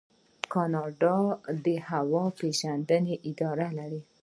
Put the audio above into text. کاناډا د هوا پیژندنې اداره لري.